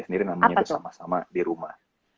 sendiri namanya bersama sama di rumah